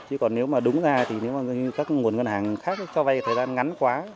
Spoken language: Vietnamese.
chứ còn nếu mà đúng ra thì các nguồn ngân hàng khác cho vay thời gian ngắn quá